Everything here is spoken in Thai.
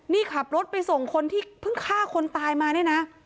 นี่ขับรถไปส่งคนที่เพิ่งฆ่าคนตายมาเนี่ยนะ